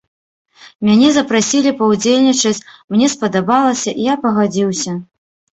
Мяне запрасілі паўдзельнічаць, мне спадабалася, і я пагадзіўся.